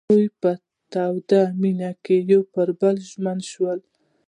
هغوی په تاوده مینه کې پر بل باندې ژمن شول.